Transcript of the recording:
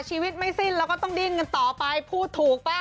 ชีวิตไม่สิ้นแล้วก็ต้องดิ้นกันต่อไปพูดถูกป่ะ